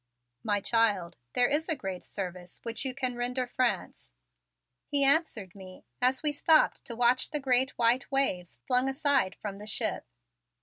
"My child, there is a great service which you can render France," he answered me as we stopped to watch the great white waves flung aside from the ship.